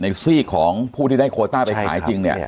ซีกของผู้ที่ได้โคต้าไปขายจริงเนี่ย